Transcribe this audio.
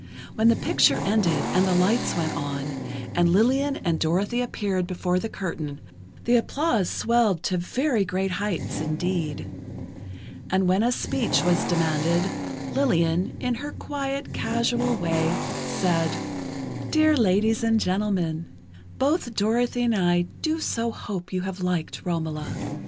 When the picture ended and the lights went on, and Lillian and Dorothy appeared before the curtain, the applause swelled to very great heights indeed. And when a speech was demanded, Lillian, in her quiet, casual way, said: "Dear ladies and gentlemen, both Dorothy and I do so hope you have liked 'Romola.